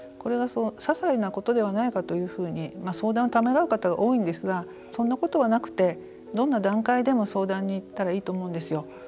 ささいなことではないかと相談をためらう方が多いんですがそんなことはなくてどんな段階でも相談に行ったらいいと思うんですよ。